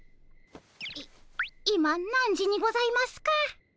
い今何時にございますか？